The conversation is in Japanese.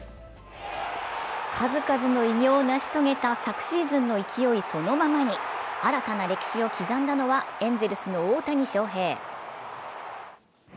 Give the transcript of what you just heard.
数々の偉業を成し遂げた昨シーズンそのままに新たな歴史を刻んだのはエンゼルスの大谷翔平。